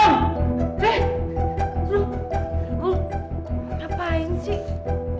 aduh ngapain sih